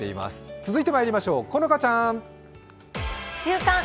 続いてまいりましょう、好花ちゃん。